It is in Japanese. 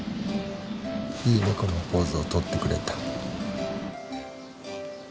いいネコのポーズを取ってくれた。